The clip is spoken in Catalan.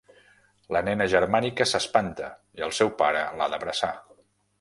La nena germànica s'espanta i el seu pare l'ha d'abraçar.